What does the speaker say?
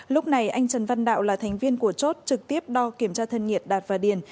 lúc này anh trần văn đạo là thành viên của chốt trực tiếp đo kiểm tra thân nhiệt đạt và điền